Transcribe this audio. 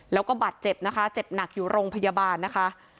แล้วก็บาดเจ็บนะคะเจ็บหนักอยู่โรงพยาบาลนะคะ